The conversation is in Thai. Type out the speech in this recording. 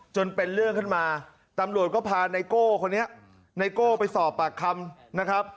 จนเป็นเรื่องขึ้นมาตำรวจก็พาไนโก้คนนี้ไนโก้ไปสอบปากคำนะครับ